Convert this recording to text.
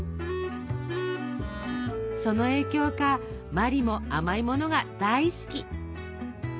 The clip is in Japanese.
その影響か茉莉も甘いものが大好き。